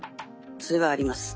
それはあります。